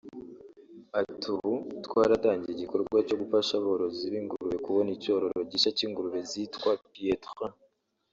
Ati "Ubu twatangiye igikorwa cyo gufasha abarozi b’ingurube kubona icyororo gishya cy’ingurube zitwa pietrain